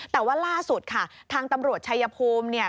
แต่ว่าล่าสุดค่ะทางตำรวจชายภูมิเนี่ย